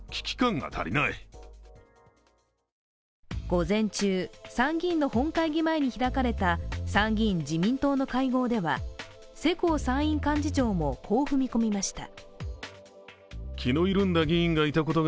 午前中、参議院の本会議前に開かれた参議院自民党の会合では世耕参院幹事長も、こう踏み込みました。